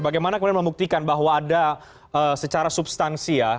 bagaimana kemudian membuktikan bahwa ada secara substansi ya